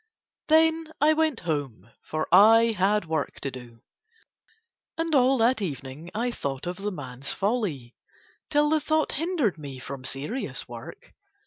Then I went home for I had work to do. And all that evening I thought of the man's folly, till the thought hindered me from serious work.